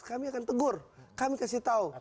kami akan tegur kami kasih tahu